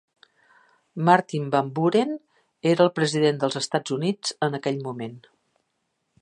Martin Van Buren era el president dels Estats Units en aquell moment.